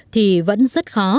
thì vẫn rất khó